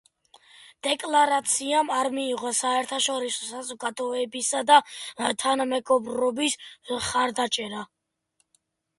დეკლარაციამ არ მიიღო საერთაშორისო საზოგადოებისა და თანამეგობრობის მხარდაჭერა.